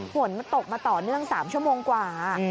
ฝนมันตกมาต่อเนื่อง๓ชั่วโมงกว่า